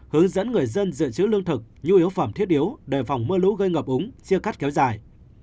hướng dẫn người dân dự trữ lương thực nhu yếu phẩm thiết yếu đề phòng mưa lũ gây ngập úng chia cắt kéo dài